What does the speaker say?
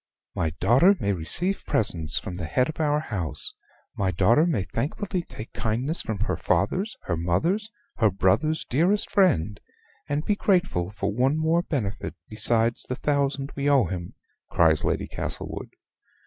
"My daughter may receive presents from the Head of our House: my daughter may thankfully take kindness from her father's, her mother's, her brother's dearest friend; and be grateful for one more benefit besides the thousand we owe him," cries Lady Esmond.